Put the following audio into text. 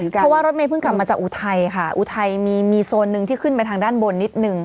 เพราะว่ารถเมยเพิ่งกลับมาจากอุทัยค่ะอุทัยมีโซนนึงที่ขึ้นไปทางด้านบนนิดนึง